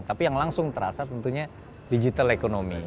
tapi yang langsung terasa tentunya digital ekonomi